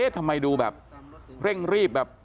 ทำไมดูแบบเร่งรีบแบบ